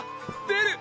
出る！